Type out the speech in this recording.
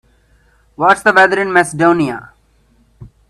What's the weather in Macedonia